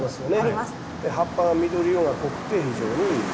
葉っぱが緑色が濃くて非常にいいです。